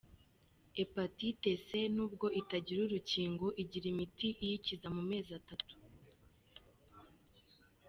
Hepatite C nubwo itagira urukingo igira imiti iyikiza mu mezi atatu.